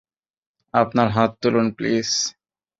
আপনার হাত তুলুন, প্লিজ।